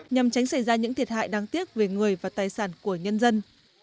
nhằm tránh xảy ra những thiệt hại đáng tiếc về người và tài sản của nhân dân